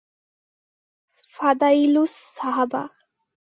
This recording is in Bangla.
ফাদ্বায়িলুস স্বাহাবা